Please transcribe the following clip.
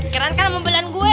keren kan mobilan gue